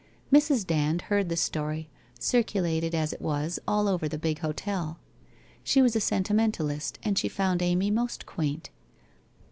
Mrs. Dand heard the story, circulated, as it was, all over the big hotel. She was a sentimentalist and she found Amy most quaint.